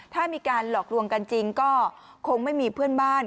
ถ้ามีการหลอกลวงกันจริงก็คงไม่มีเพื่อนบ้าน